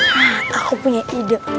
hah aku punya ide